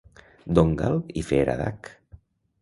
Donngal i Feradach.